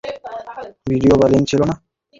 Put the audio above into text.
Video বা link ছিলো না?